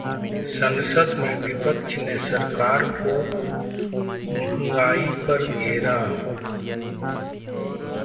संसद में विपक्ष ने सरकार को महंगाई पर घेरा